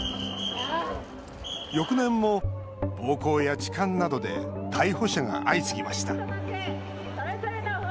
翌年も暴行や痴漢などで逮捕者が相次ぎました。